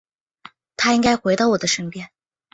他应该回到我的身边